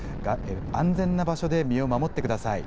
安全な場所で身を守ってください。